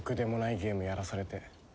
ゲームやらされて。